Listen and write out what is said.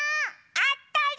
あったり！